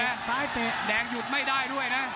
ซ้ายเตะซ้ายเตะแดงหยุดไม่ได้ด้วยนะ